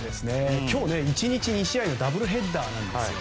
今日１日２試合のダブルヘッダーなんですよ。